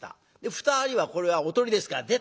２人はこれはおとりですから「出た！」。